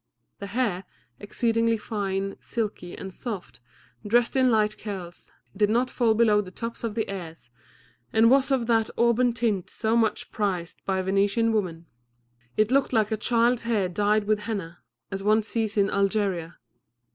The hair, exceedingly fine, silky, and soft, dressed in light curls, did not fall below the tops of the ears, and was of that auburn tint so much prized by Venetian women. It looked like a child's hair dyed with henna, as one sees it in Algeria.